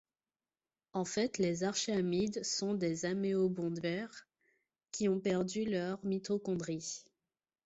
En fait, les archéamibes sont des amoebozoaires qui ont perdu leur mitochondrie.